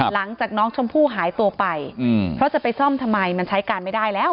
หลังจากน้องชมพู่หายตัวไปเพราะจะไปซ่อมทำไมมันใช้การไม่ได้แล้ว